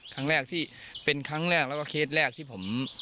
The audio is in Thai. ครั้งแรกที่เป็นครั้งแรกแล้วก็เคสแรกที่ผม